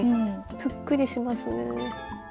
ぷっくりしますね。